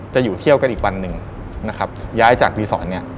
จะอยู่เที่ยวกันอีกวันหนึ่งนะครับย้ายจากรีสอร์ทเนี่ย